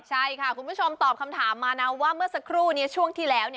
ใช่ค่ะคุณผู้ชมตอบคำถามมานะว่าเมื่อสักครู่นี้ช่วงที่แล้ว